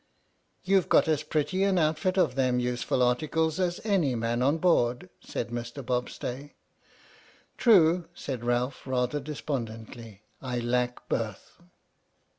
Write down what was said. " "You've got as pretty an outfit of them useful articles as any man on board," said Mr. Bobstay. " True," said Ralph, rather despondently, " I lack birth."